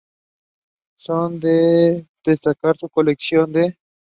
Son de destacar sus colecciones de